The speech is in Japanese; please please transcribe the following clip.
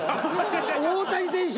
大谷選手